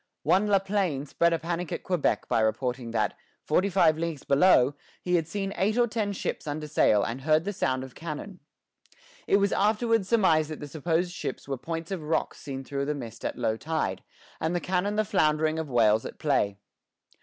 One La Plaine spread a panic at Quebec by reporting that, forty five leagues below, he had seen eight or ten ships under sail and heard the sound of cannon. It was afterwards surmised that the supposed ships were points of rocks seen through the mist at low tide, and the cannon the floundering of whales at play.